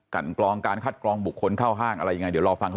กรองการคัดกรองบุคคลเข้าห้างอะไรยังไงเดี๋ยวรอฟังเขา